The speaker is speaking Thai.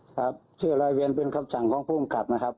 ครับชื่อร้อยเวียนเป็นขับจังของผู้กับนะครับ